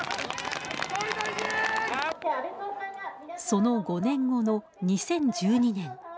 その５年後の２０１２年。